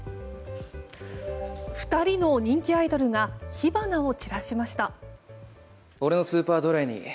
２人の人気アイドルが火花を散らしました。